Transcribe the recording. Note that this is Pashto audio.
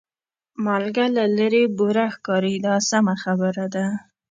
مالګه له لرې بوره ښکاري دا سمه خبره ده.